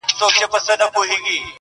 دوه جواله یې پر اوښ وه را بارکړي٫